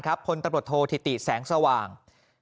พลตำรวจโทษธิติแสงสว่าง